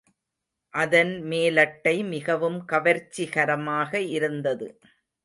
அதன் மேலட்டை மிகவும் கவர்ச்சிகரமாக இருந்தது.